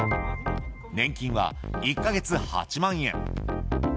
年金は１か月、８万円。